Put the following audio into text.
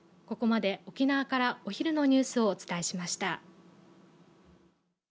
ここまで沖縄からお昼のニュースをお伝えしました。